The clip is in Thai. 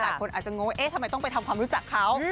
หลายคนอาจจะงงว่าเอ๊ะทำไมต้องไปทำความรู้จักเขา